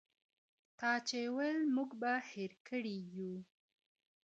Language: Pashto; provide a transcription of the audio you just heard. تا چي ول موږ به هېر کړي يو